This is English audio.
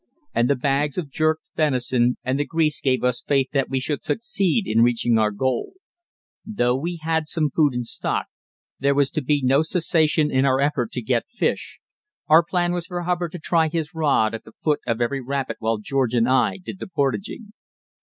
And the bags of jerked venison and the grease gave us faith that we should succeed in reaching our goal. Though we had some food in stock, there was to be no cessation in our effort to get fish; our plan was for Hubbard to try his rod at the foot of every rapid while George and I did the portaging.